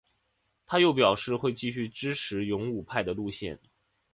他又表示会继续支持勇武派的路线。